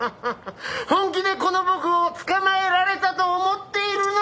本気でこの僕を捕まえられたと思っているのかね？